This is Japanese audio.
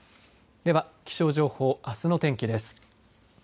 では気象情報あすの天気です。